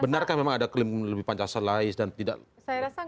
benarkah memang ada klaim lebih pancasila dan tidak pancasila